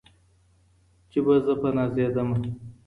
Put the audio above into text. چي به زه په نازېدمه